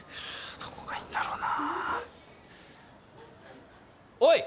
どこがいいんだろうなおい！